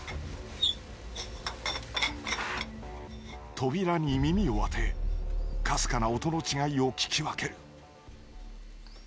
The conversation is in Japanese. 「扉に耳を当てかすかな音の違いを聞き分ける」